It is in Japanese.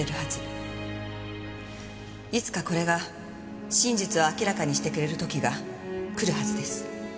いつかこれが真実を明らかにしてくれる時がくるはずです。